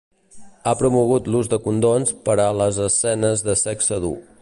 Ha promogut l'ús de condons per a les escenes de sexe dur.